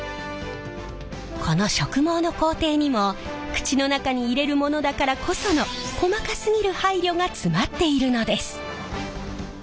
この植毛の工程にも口の中に入れるものだからこその細かすぎる配慮が詰まっているのです。